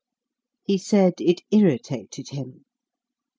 He said it irritated him.